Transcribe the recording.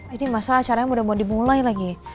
ini masa acaranya udah mau dimulai lagi